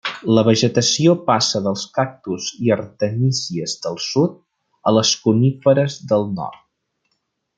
La vegetació passa dels cactus i artemísies del sud a les coníferes del nord.